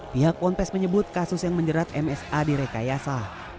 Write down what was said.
pihak ponpes menyebut kasus yang menjerat msa di rekayasa